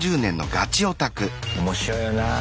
面白いよなぁ。